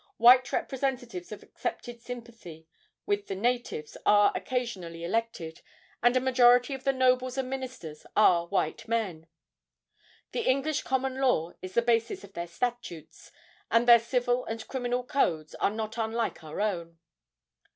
White representatives of accepted sympathy with the natives are occasionally elected, and a majority of the nobles and ministers are white men. The English common law is the basis of their statutes, and their civil and criminal codes are not unlike our own.